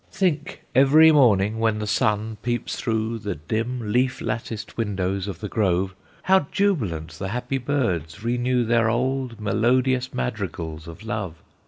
"Think, every morning when the sun peeps through The dim, leaf latticed windows of the grove, How jubilant the happy birds renew Their old, melodious madrigals of love!